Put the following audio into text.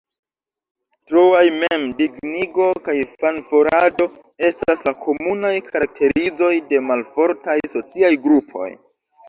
Troaj mem-dignigo kaj fanfaronado estas la komunaj karakterizoj de malfortaj sociaj grupoj.